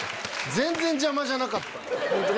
全然邪魔じゃなかった。